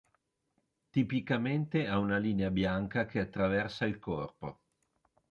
Tipicamente ha una linea bianca che attraversa il corpo.